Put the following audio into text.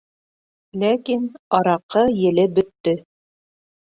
Ләкин... араҡы еле бөттө.